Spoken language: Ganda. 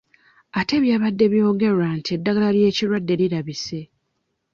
Ate ebyabadde byogerwa nti eddagala ly'ekirwadde lirabise?